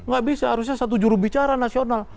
gak bisa harusnya satu jurubicara nasional